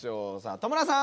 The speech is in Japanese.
戸村さん！